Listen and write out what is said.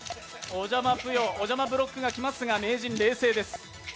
お邪魔ぷよ、お邪魔ブロックがきますが、名人冷静です。